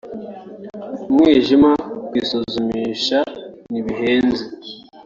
umwijima […] kwisuzumisha ntibihenze